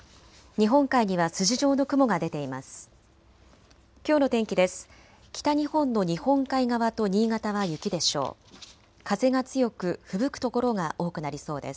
日本海には筋状の雲が出ています。